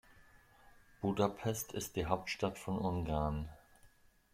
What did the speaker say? Budapest ist die Hauptstadt von Ungarn.